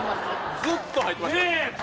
ずっと入ってました。